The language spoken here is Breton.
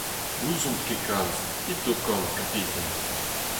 N'ouzomp ket kalz… It d'ho kambr, kabiten…